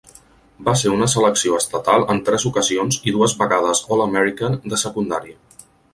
Va ser una selecció estatal en tres ocasions i dues vegades All-American de secundària.